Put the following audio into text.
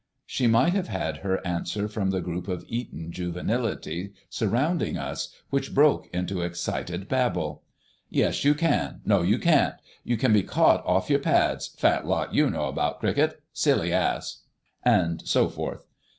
She might have had her answer from the group of Eton juvenility surrounding us, which broke into excited babble. "Yes, you can." "No, you can't." "You can't be caught off your pads. Fat lot you know about cricket." "Silly ass." And so forth.